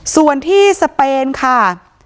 ส่วนที่สเปนค่ะ